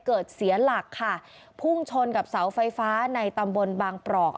เสียหลักค่ะพุ่งชนกับเสาไฟฟ้าในตำบลบางปรอก